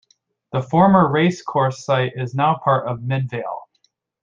The former racecourse site is now part of Midvale.